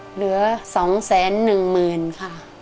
เหลือสองแสนหนึ่งหมื่นค่ะ